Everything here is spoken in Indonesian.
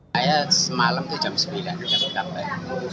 saya semalam itu jam sembilan sampai